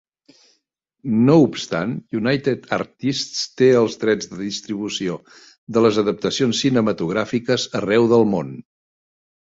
No obstant, United Artists té els drets de distribució de les adaptacions cinematogràfiques arreu del món.